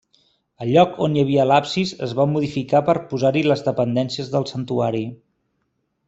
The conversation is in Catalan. El lloc on hi havia l'absis es va modificar per posar-hi les dependències del santuari.